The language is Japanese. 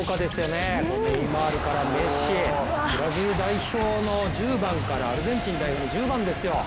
ネイマールからメッシブラジル代表の１０番からアルゼンチン代表の１０番ですよ。